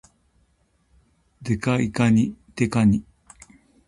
デカいかに、デカニ